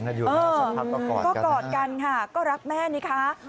ก็กอดกันค่ะก็รักแม่นี่คะ